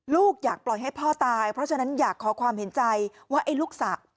ลูกอยากปล่อยให้พ่อตายเพราะฉะนั้นอยากขอความเห็นใจว่าไอ้ลูกสาว